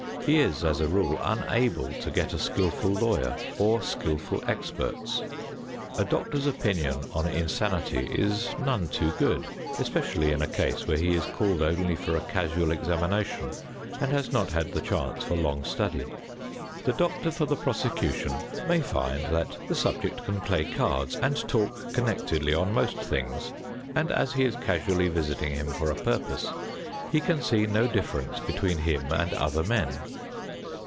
He is, as a rule, unable to get a skillful lawyer or skillful experts. A doctor's opinion on insanity is none too good, especially in a case where he is called only for a casual examination and has not had the chance for long study. The doctor for the prosecution may find that the subject can play cards and talk connectedly on most things, and as he is casually visiting him for a purpose, he can see no difference between him and other men.